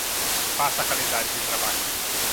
Faça calendários de trabalho.